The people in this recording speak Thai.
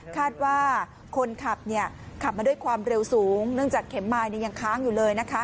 คาดว่าคนขับขับมาด้วยความเร็วสูงเนื่องจากเข็มมายยังค้างอยู่เลยนะคะ